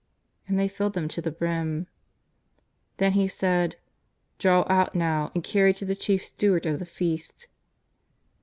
And they filled them to the brim. Then He said :" Draw out now and carry to the chief steward of the feast."